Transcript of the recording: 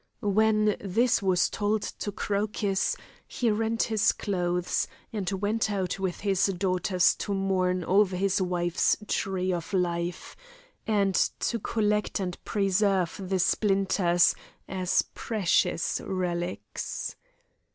When this was told to Crocus, he rent his clothes, and went out with his daughters to mourn over his wife's tree of life, and to collect and preserve the splinters as precious relics.